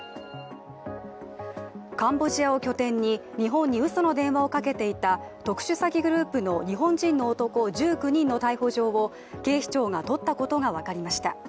カンボジアを拠点に日本にうその電話をかけていた特殊詐欺グループの日本人の男１９人の逮捕状を警視庁が取ったことが分かりました。